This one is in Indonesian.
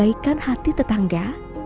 dengan kebaikan hati tetangga